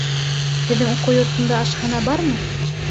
Һеҙҙең уҡыу йортонда ашхана бармы?